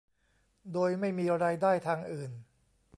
โดยไม่มีรายได้ทางอื่น